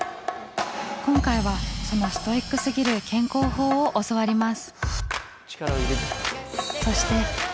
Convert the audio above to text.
今回はそのストイックすぎる健康法を教わります。